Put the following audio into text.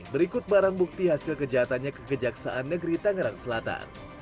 berikut barang bukti hasil kejahatannya kekejaksaan negeri tangerang selatan